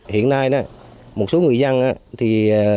hiện nay một số người dân nuôi